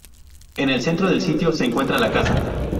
En el centro del sitio, se encuentra la casa.